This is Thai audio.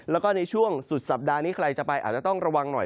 แล้วก็ในช่วงสุดสัปดาห์นี้ใครจะไปอาจจะต้องระวังหน่อย